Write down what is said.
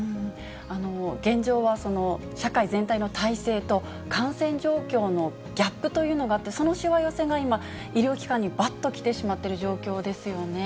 現状は社会全体の体制と感染状況のギャップというのがあって、そのしわ寄せが今、医療機関にばっと来てしまっている状況ですよね。